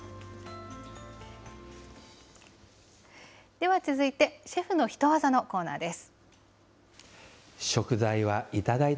では続いて、シェフのヒトワザのコーナーです。